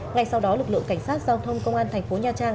ngay sau đó lực lượng cảnh sát giao thông công an thành phố nha trang